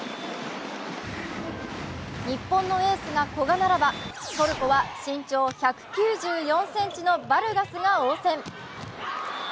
日本のエースが古賀ならばトルコは身長１９４ｃｍのバルガスが応戦。